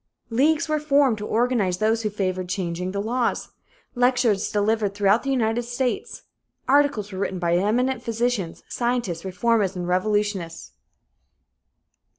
Leagues were formed to organize those who favored changing the laws. Lectures were delivered throughout the United States. Articles were written by eminent physicians, scientists, reformers and revolutionists.